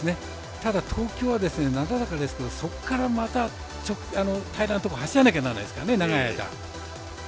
東京はなだらかですけど、そこからまた平らなところを走らなければならないですからね長い間。